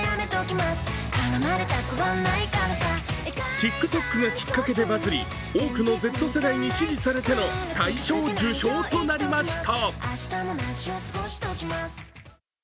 ＴｉｋＴｏｋがきっかけでバズり、多くのＺ世代に支持されての大賞受賞となりました。